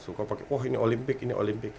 suka pakai oh ini olimpik ini olimpik